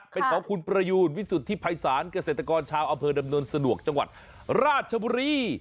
เป็นของคุณประยูนวิสุทธิภัยศาลเกษตรกรชาวอำเภอดำเนินสะดวกจังหวัดราชบุรี